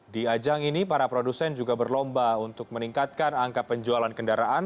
di ajang ini para produsen juga berlomba untuk meningkatkan angka penjualan kendaraan